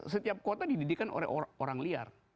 setiap kota didirikan oleh orang liar